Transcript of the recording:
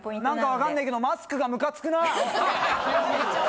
何かわかんねえけどマスクがムカつくなぁ。